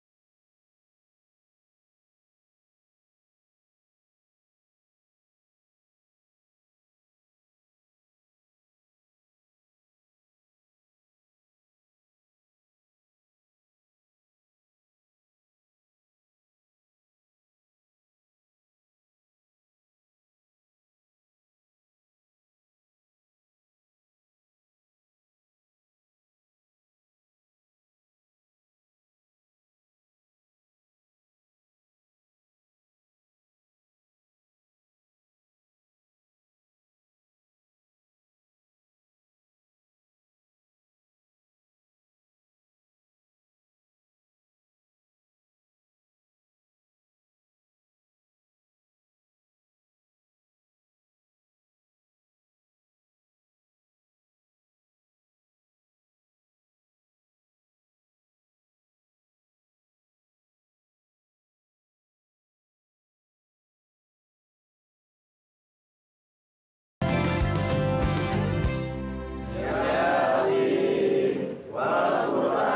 aku mau pulang kemana